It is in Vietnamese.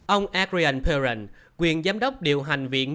ông adrian peren quyền giám đốc điều hành viện